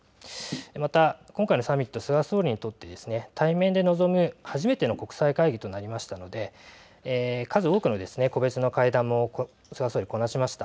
また今回のサミット菅総理にとって対面で臨む初めての国際会議となりましたので数多くの個別の会談も菅総理はこなしました。